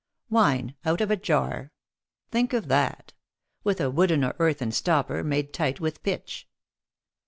Wine out of a jar! Think of that. With a wooden or earthen stopper, made tight with pitch.